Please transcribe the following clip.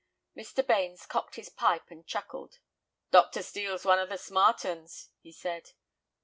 Mr. Bains cocked his pipe and chuckled. "Dr. Steel's one of the smart 'uns," he said.